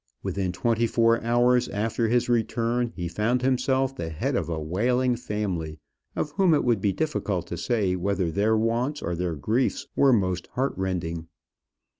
Within twenty four hours after his return he found himself the head of a wailing family, of whom it would be difficult to say whether their wants or their griefs were most heartrending.